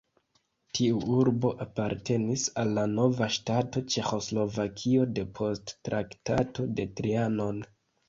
Tiu urbo apartenis al la nova ŝtato Ĉeĥoslovakio depost Traktato de Trianon.